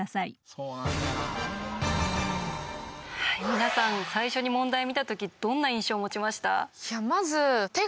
皆さん最初に問題見た時どんな印象を持ちました？